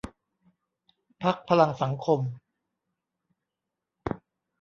พรรคพลังสังคม